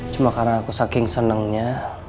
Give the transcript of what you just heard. cuma karena aku saking senengnya